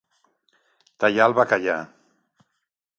Tallar el bacallà.